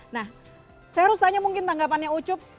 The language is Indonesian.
nah saya harus tanya mungkin tanggapannya ucup